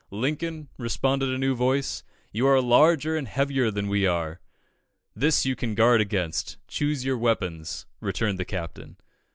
"Lincoln," responded a new voice, "you are larger and heavier than we are." "This you can guard against; choose your weapons," returned the Captain.